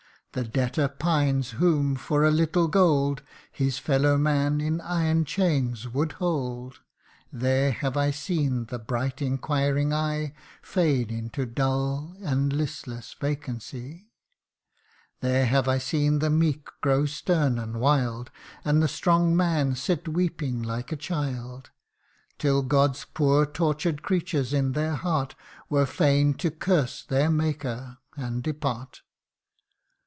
The debtor pines, who, for a little gold, His fellow man in iron chains would hold : There have I seen the bright inquiring eye Fade into dull and listless vacancy ; There have I seen the meek grow stern and wild ; And the strong man sit weeping like a child ; Till God's poor tortured creatures in their heart Were fain to curse their Maker, and depart.